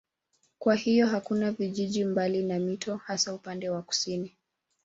Kwa hiyo hakuna vijiji mbali na mito hasa upande wa kusini.